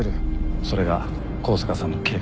それが香坂さんの計画だ。